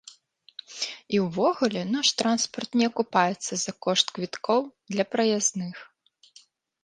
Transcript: І ўвогуле, наш транспарт не акупаецца за кошт квіткоў для праязных.